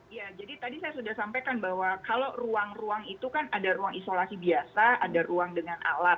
iya jadi tadi saya sudah sampaikan bahwa kalau ruang ruang itu kan ada ruang isolasi biasa ada ruang dengan alat